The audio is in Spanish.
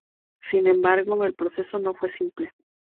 Sin embargo, el proceso no fue simple.